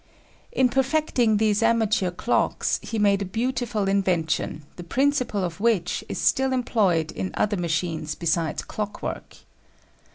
In perfecting these amateur clocks he made a beautiful invention, the principle of which is still employed in other machines besides clock work.